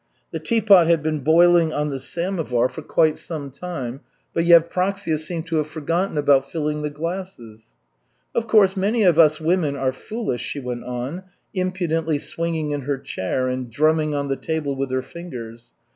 The tea pot had been boiling on the samovar for quite some time, but Yevpraksia seemed to have forgotten about filling the glasses. "Of course, many of us women are foolish," she went on, impudently swinging in her chair and drumming on the table with her fingers.